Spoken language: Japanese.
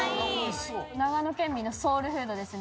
長野県民のソウルフードですね。